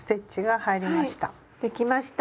できました！